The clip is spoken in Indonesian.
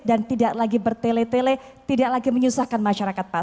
dan tidak lagi bertele tele tidak lagi menyusahkan masyarakat pak